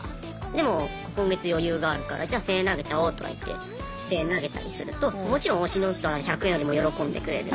でも今月余裕があるからじゃ１，０００円投げちゃおとかいって１，０００円投げたりするともちろん推しの人は１００円よりも喜んでくれる。